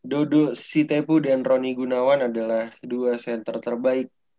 dodo si tepu dan roni gunawan adalah dua center terbaik